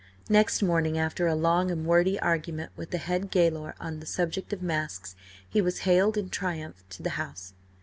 Next morning, after a long and wordy argument with the head gaoler on the subject of masks, he was haled in triumph to the house.